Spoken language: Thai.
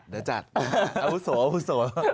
เดี๋ยวจัดเอาหุ้สว